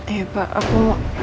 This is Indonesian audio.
ya pak aku